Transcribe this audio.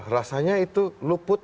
rasanya itu luput